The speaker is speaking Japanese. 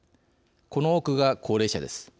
この多くが、高齢者です。